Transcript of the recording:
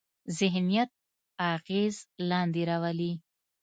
ذهنیت اغېز لاندې راولي.